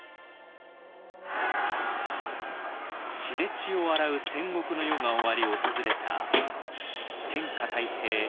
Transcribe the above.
血で血を洗う戦国の世が終わり訪れた天下太平